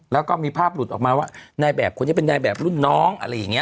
แล้วก็มีภาพหลุดออกมาว่านายแบบคนนี้เป็นนายแบบรุ่นน้องอะไรอย่างนี้